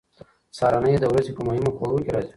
سهارنۍ د ورځې په مهمو خوړو کې راځي.